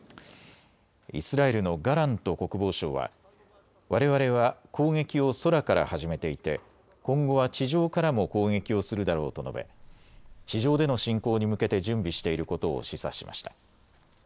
イスラエルのガラント国防相はわれわれは攻撃を空から始めていて今後は地上からも攻撃をするだろうと述べ、地上での侵攻に向けて準備していることを示唆しました。